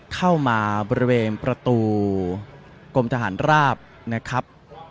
เข้ามาบริเวณประตูกรมทหารราบนะครับ